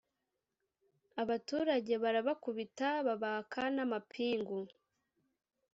abaturage barabakubita babaka n’amapingu